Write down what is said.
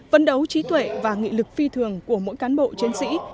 vấn đấu trí tuệ và nghị lực phi thường của mỗi cán bộ chiến sĩ